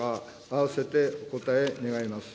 併せてお答え願います。